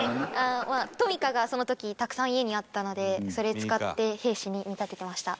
トミカがその時たくさん家にあったのでそれ使って兵士に見立ててました。